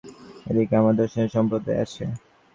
এদিকে আবার দার্শনিকদের সম্প্রদায় আছে।